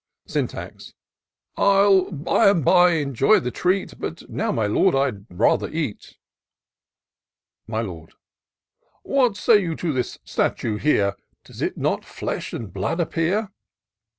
Syntax. " I'll by and by enjoy the treat; But now, my Lord, I'd rather eat." 132 TOUR OF DOCTOR SYNTAX My Lord. " What say you to this statue here ? Does it not flesh and blood appear?"